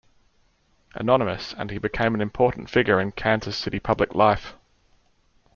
Anonymous” and he became an important figure in Kansas City public life.